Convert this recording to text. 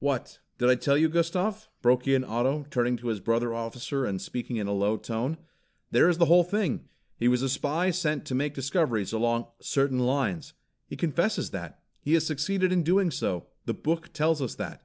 "What, did I tell you, Gustav?" broke in Otto, turning to his brother officer and speaking in a low tone. "There is the whole thing! He was a spy sent to make discoveries along 'certain lines.' He confesses that. He has succeeded in doing so. The book tells us that."